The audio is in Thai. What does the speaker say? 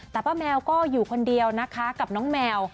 แต่ป้าแมวก็อยู่คนเดียวนะคะกับน้องแมว